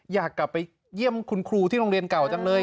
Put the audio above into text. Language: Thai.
อยากกลับไปเยี่ยมคุณครูที่โรงเรียนเก่าจังเลย